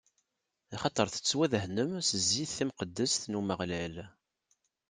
Axaṭer tettwadehnem s zzit timqeddest n Umeɣlal.